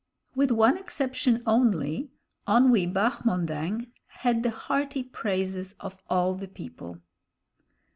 With one exception only, Onwee Bahmondang had the hearty praises of all the people.